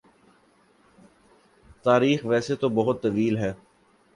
تاریخ ویسے تو بہت طویل ہے